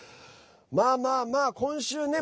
まあまあまあ、今週ね